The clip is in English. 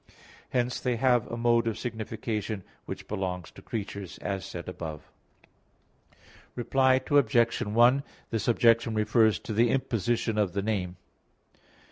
Hence they have a mode of signification which belongs to creatures, as said above (A. 3). Reply Obj. 1: This objection refers to the imposition of the name.